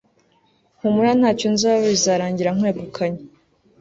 humura ntacyo nzaba kandi bizarangira nkwegukanye